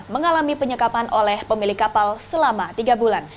mengalami penyekapan oleh pemilik kapal selama tiga bulan